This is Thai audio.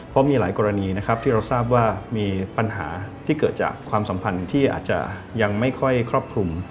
เพราะมีหลายกรณีนะครับที่เราทราบว่ามีปัญหาที่เกิดจากความสัมพันธ์ที่อาจจะยังไม่ค่อยครอบคลุม